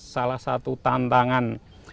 salah satu tantangan